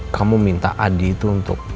kamu minta adi itu untuk